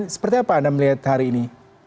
seperti apa anda melihat hari ini